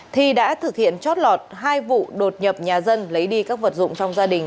thi đã thực hiện chót lọt hai vụ đột nhập nhà dân lấy đi các vật dụng trong gia đình